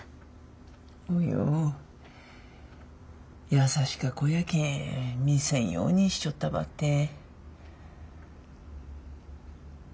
優しか子やけん見せんようにしちょったばってん。